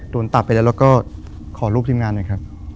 โดนตัดไปแล้วแล้วก็ขอรูปทีมงานหน่อยครับ